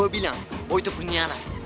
gue bilang boy itu penyianat